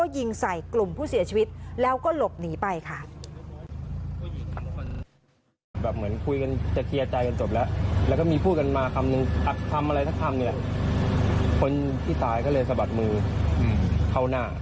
ยิงใส่กลุ่มผู้เสียชีวิตแล้วก็หลบหนีไปค่ะ